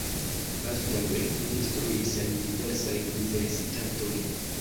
Baldaŭe li instruis en diversaj universitatoj.